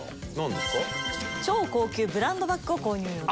超高級ブランドバッグを購入予定。